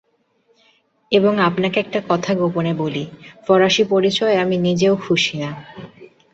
এবং আপনাকে একটা কথা গোপনে বলি, ফরাসি পরিচয়ে আমি নিজেও খুশি না।